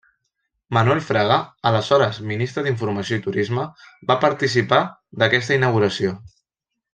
Manuel Fraga, aleshores ministre d'informació i turisme, va participar d'aquesta inauguració.